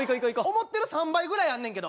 思ってる３倍ぐらいあんねんけど。